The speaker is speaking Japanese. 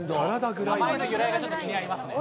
名前の由来が気になりますね。